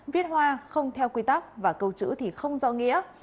viết hoa không theo quy tắc và câu chữ không rõ nghĩa